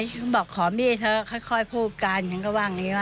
ฉันบอกขอมี่เถอะค่อยพูดกันฉันก็ว่าอย่างนี้ว่า